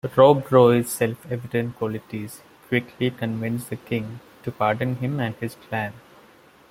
Rob Roy's self-evident qualities quickly convince the king to pardon him and his clan.